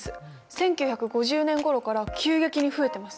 １９５０年ごろから急激に増えてます。